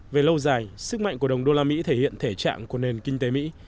về lâu dài sức mạnh của đồng đô la mỹ thể hiện thể trạng của nền kinh tế mỹ